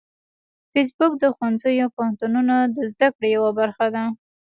فېسبوک د ښوونځیو او پوهنتونونو د زده کړې یوه برخه ده